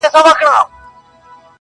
o اوښکي دي پر مځکه درته ناڅي ولي.